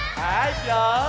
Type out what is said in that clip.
いくよ！